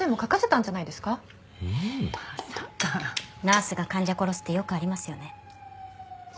ナースが患者殺すってよくありますよね。